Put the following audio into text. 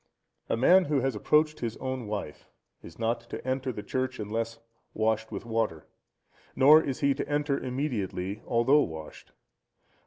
A man who has approached his own wife is not to enter the church unless washed with water, nor is he to enter immediately although washed.